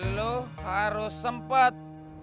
lo harus sempet